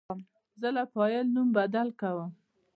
زه د فایل نوم بدل کوم.